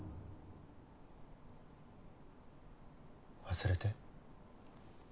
忘れて。